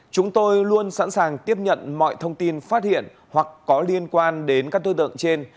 chúng tôi luôn sẵn sàng tiếp nhận mọi thông tin phát hiện hoặc có liên quan đến các đối tượng trên